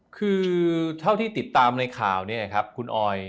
คือเท่าที่ติดตามในข่าวเนี่ยครับคุณออย